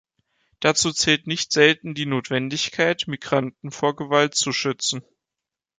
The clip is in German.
Dazu zählt nicht selten die Notwendigkeit, Migranten vor Gewalt zu schützen.